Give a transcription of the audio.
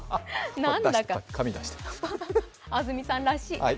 安住さんらしい。